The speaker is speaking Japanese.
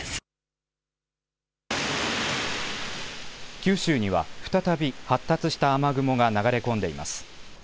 九州には再び発達した雨雲が流れ込んでいます。